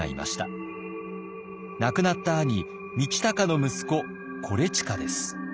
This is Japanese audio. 亡くなった兄道隆の息子伊周です。